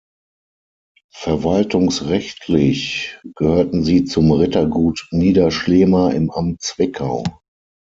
Verwaltungsrechtlich gehörten sie zum Rittergut Niederschlema im Amt Zwickau.